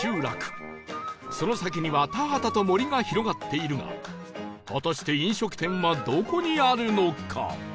その先には田畑と森が広がっているが果たして飲食店はどこにあるのか？